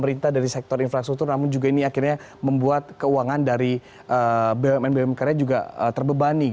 ini lebih baik